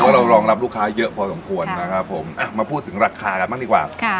เรารองรับลูกค้าเยอะพอสมควรนะครับผมมาพูดถึงราคากันบ้างดีกว่า